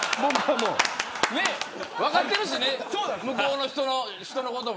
分かってるしね向こうの人のことも。